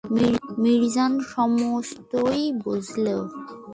মিরজান সমস্তই বুঝলে।